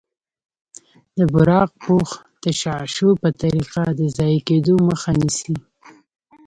د براق پوښ تشعشع په طریقه د ضایع کیدو مخه نیسي.